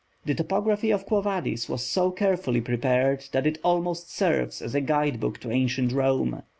The topography of Quo Vadis was so carefully prepared that it almost serves as a guide book to ancient Rome.